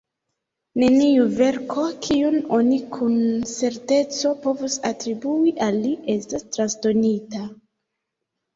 Neniu verko, kiun oni kun certeco povus atribui al li, estas transdonita.